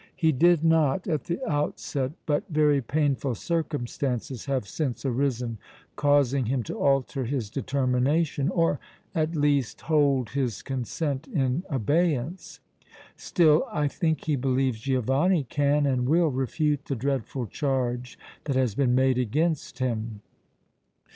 "He did not at the outset, but very painful circumstances have since arisen, causing him to alter his determination, or, at least, hold his consent in abeyance. Still, I think, he believes Giovanni can and will refute the dreadful charge that has been made against him."